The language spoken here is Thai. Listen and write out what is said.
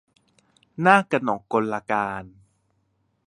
นากกนกกลการ